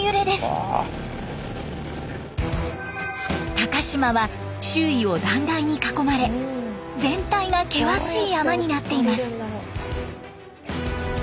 高島は周囲を断崖に囲まれ全体が険しい山になっています。